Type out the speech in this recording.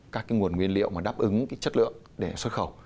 các cái nguồn nguyên liệu mà đáp ứng cái chất lượng để xuất khẩu